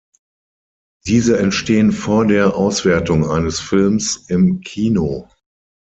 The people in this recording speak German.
Diese entstehen vor der Auswertung eines Films im Kino.